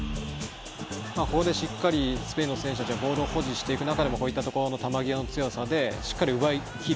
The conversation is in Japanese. ここでしっかりスペインの選手たちが保持していく中でもこういったところの球際の強さでしっかり奪いきる。